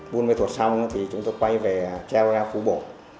buôn ma thuật xong thì chúng tôi quay về cheo ra phú bổ